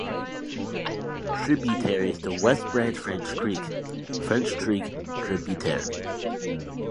Tributaries to West Branch French Creek (French Creek tributary)